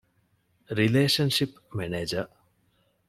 ރިލޭޝަންޝިޕް މެނޭޖަރ